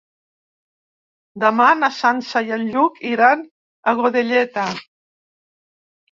Demà na Sança i en Lluc iran a Godelleta.